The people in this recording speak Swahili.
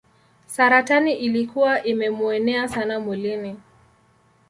Saratani ilikuwa imemuenea sana mwilini.